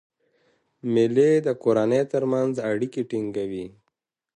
مېلې د کورنۍ ترمنځ اړیکي ټینګوي.